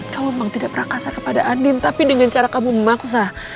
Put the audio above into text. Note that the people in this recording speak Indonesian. kamu memang tidak pernah kasar kepada andin tapi dengan cara kamu memaksa